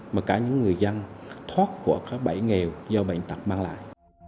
mà cả những người dân thoát khỏi các bệnh nghèo do bệnh tập mang lại